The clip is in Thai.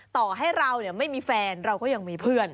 ต่อให้เราไม่มีแฟนเราก็ยังมีเพื่อน